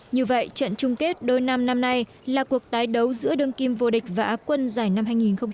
như vậy trận chung kết đôi nam năm nay là cuộc tái đấu giữa đương kim vô địch và á quân giải năm hai nghìn một mươi